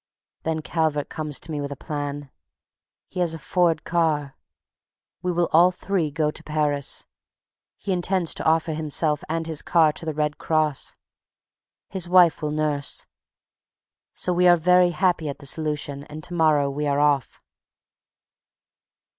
Then Calvert comes to me with a plan. He has a Ford car. We will all three go to Paris. He intends to offer himself and his car to the Red Cross. His wife will nurse. So we are very happy at the solution, and to morrow we are off.